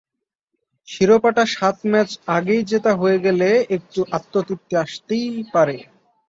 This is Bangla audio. শিরোপাটা সাত ম্যাচ আগেই জেতা হয়ে গেলে একটু আত্মতৃপ্তি আসতেই পারে।